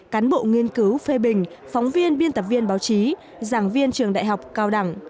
cán bộ nghiên cứu phê bình phóng viên biên tập viên báo chí giảng viên trường đại học cao đẳng